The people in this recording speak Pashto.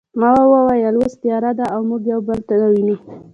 ما وویل اوس تیاره ده او موږ یو بل نه وینو